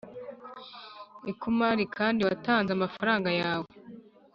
ikumarira kandi watanze amafaranga yawe